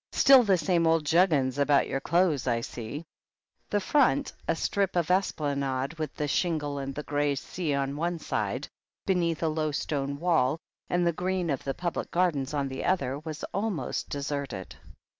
"Still the same old juggins about your clothes, I see?" The Front — 3l strip of esplanade with the shingle and the grey sea on one side, beneath a low stone wall, and the green of the Public Gardens on the other — was almost deserted.